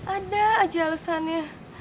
ada aja alesannya